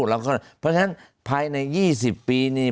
เพราะฉะนั้นภายใน๒๐ปีนี้